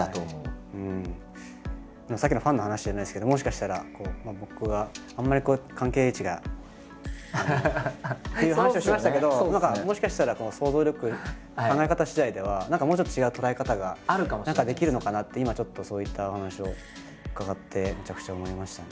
さっきのファンの話じゃないですけどもしかしたら僕はあんまり関係値がっていう話をしましたけど何かもしかしたらこの想像力考え方しだいではもうちょっと違う捉え方が何かできるのかなって今ちょっとそういったお話を伺ってめちゃくちゃ思いましたね。